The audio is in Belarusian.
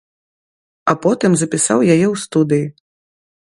А потым запісаў яе ў студыі.